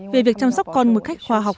về việc chăm sóc con một cách hòa hòa